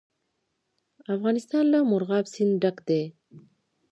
افغانستان له مورغاب سیند ډک دی.